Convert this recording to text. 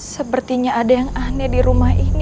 sepertinya ada yang aneh di rumah ini